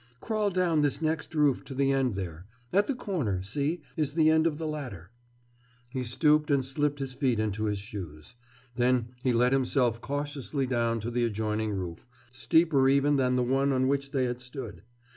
"Crawl down this next roof to the end there. At the corner, see, is the end of the ladder." He stooped and slipped his feet into his shoes. Then he let himself cautiously down to the adjoining roof, steeper even than the one on which they had stood.